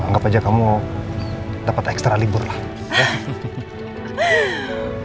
anggap aja kamu dapat ekstra libur lah